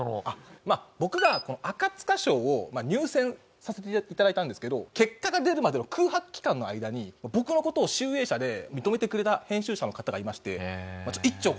まあ僕が赤塚賞を入選させて頂いたんですけど結果が出るまでの空白期間の間に僕の事を集英社で認めてくれた編集者の方がいまして「いっちょ小説を書かないか？